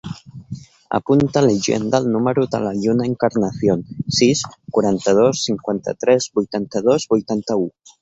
Apunta a l'agenda el número de la Lluna Encarnacion: sis, quaranta-dos, cinquanta-tres, vuitanta-dos, vuitanta-u.